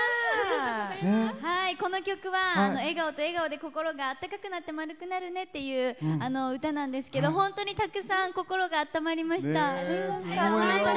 この曲は笑顔と笑顔であったかくなって、丸くなるねっていう歌なんですけど本当にたくさん、心があったまりました。